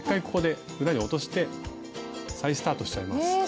ここで裏に落として再スタートしちゃいます。